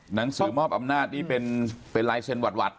หนังสือมอบอำนาจนี่เป็นลายเซ็นต์หวัด